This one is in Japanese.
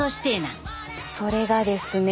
それがですね。